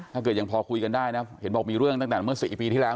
ยังพอคุยกันได้นะเห็นบอกมีเรื่องตั้งแต่เมื่อ๔ปีที่แล้ว